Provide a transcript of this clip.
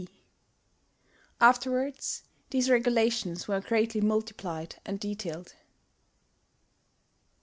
Afterwards these regulations were greatly multiplied and detailed.